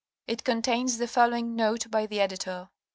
It contains the following note by the editor.